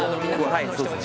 はいそうですね。